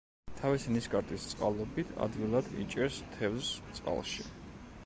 თავისი ნისკარტის წყალობით ადვილად იჭერს თევზს წყალში.